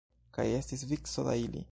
Kaj estis vico da ili.